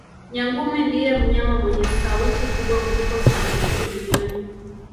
Nyangumi ndiye mnyama mwenye sauti kubwa kuliko kitu chochote duniani